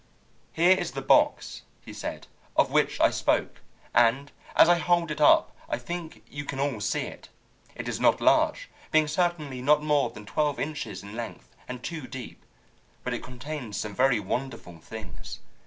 "Here is the box," he said, "of which I spoke, and as I hold it up I think you all can see it. It is not large, being certainly not more than twelve inches in length and two deep, but it contains some very wonderful things.